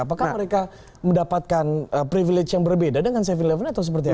apakah mereka mendapatkan privilege yang berbeda dengan safety level sebelas atau seperti apa